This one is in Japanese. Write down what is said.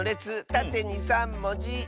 たてに３もじ。